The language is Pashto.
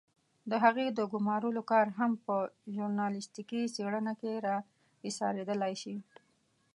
د هغې د ګمارلو کار هم په ژورنالستيکي څېړنه کې را اېسارېدلای شي.